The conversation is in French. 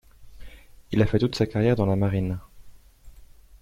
Il fait toute sa carrière dans la Marine.